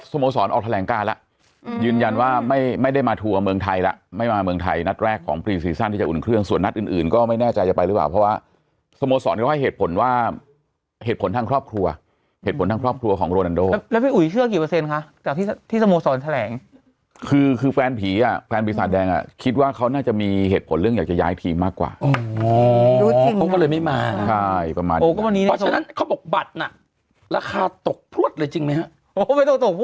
สวัสดีคุณฟังสวัสดีคุณฟังสวัสดีคุณฟังสวัสดีคุณฟังสวัสดีคุณฟังสวัสดีคุณฟังสวัสดีคุณฟังสวัสดีคุณฟังสวัสดีคุณฟังสวัสดีคุณฟังสวัสดีคุณฟังสวัสดีคุณฟังสวัสดีคุณฟังสวัสดีคุณฟังสวัสดีคุณฟังสวัสดีคุณฟ